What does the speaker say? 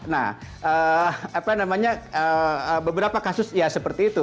nah apa namanya beberapa kasus ya seperti itu